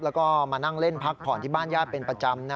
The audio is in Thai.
แล้วก็มานั่งเล่นพักผ่อนที่บ้านญาติเป็นประจำ